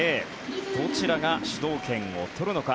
どちらが主導権を取るのか。